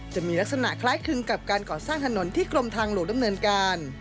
จะมีลักษณะคล้ายคลึงกับการก่อสร้างถนนที่กรมทางหลวงดำเนินการ